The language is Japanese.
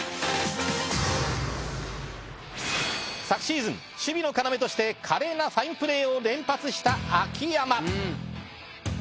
昨シーズン、守備の要として華麗なファインプレーを連発した秋山。